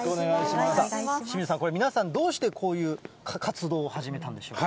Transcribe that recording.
清水さん、これ、皆さん、どうしてこういう活動を始めたんでしょうか。